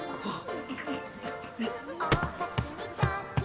あっ。